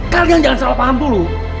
kalian jangan salah paham dulu